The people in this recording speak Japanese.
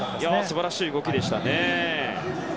すばらしい動きでした。